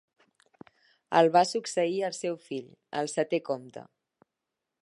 El va succeir el seu fill, el setè comte.